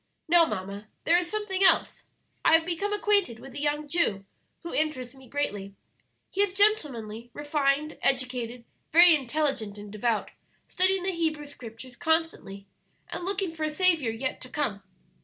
"Now, mamma, there is something else. I have become acquainted with a young Jew who interests me greatly. He is gentlemanly, refined, educated, very intelligent and devout, studying the Hebrew Scriptures constantly, and looking for a Saviour yet to come.